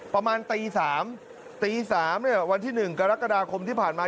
ประมาณตีสามตีสามเนี่ยวันที่หนึ่งกรกฎาคมที่ผ่านมา